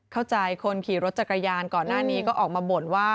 เข้าใจคนขี่รถจักรยานก่อนหน้านี้ก็ออกมาบ่นว่า